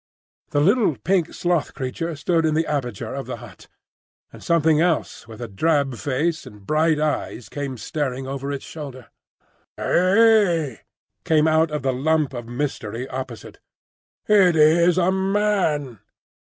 The little pink sloth creature stood in the aperture of the hut, and something else with a drab face and bright eyes came staring over its shoulder. "Hey!" came out of the lump of mystery opposite. "It is a man."